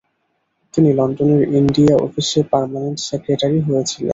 তিনি লন্ডনের ইন্ডিয়া অফিসে পার্মানেন্ট সেক্রেটারি হয়েছিলেন।